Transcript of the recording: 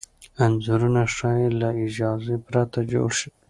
انځورونه ښايي له اجازې پرته جوړ شي.